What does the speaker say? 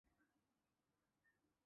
范围包括英国全国和爱尔兰。